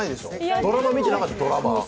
ドラマ見てなかった、ドラマ？